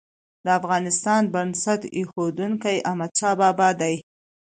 د افغانستان بنسټ ايښودونکی احمدشاه بابا دی.